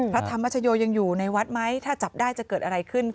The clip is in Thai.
พระธรรมชโยยังอยู่ในวัดไหมถ้าจับได้จะเกิดอะไรขึ้น